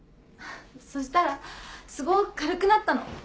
そしたらすごく軽くなったの。